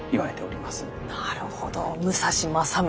なるほど武蔵正宗。